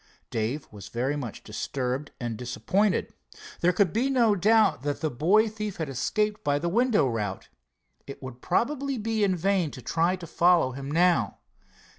Dave was very much disturbed and disappointed. There could be no doubt that the boy thief had escaped by the window route. It would probably be in vain to try to follow him now.